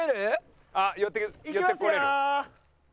寄って来れる？